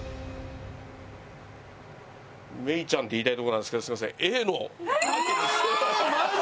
芽郁ちゃんって言いたいとこなんですけどすいませんＡの。ええーっ！